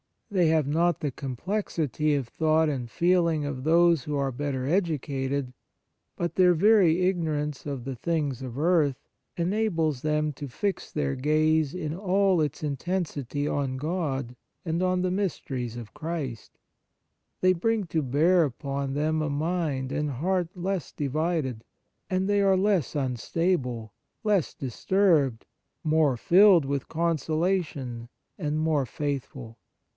They have not the complexity of thought and feeling of those who are better educated, but their very ignorance of the things of earth enables them to fix their gaze in all its intensity on God and on the mysteries of Christ ; they bring to bear upon them a mind and heart less divided, and they are less unstable, less disturbed, more filled with con solation and more faithful.